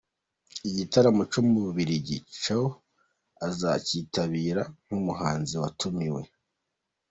Igitaramo cyo mu Bubiligi cyo azacyitabira nk'umuhanzi watumiwe.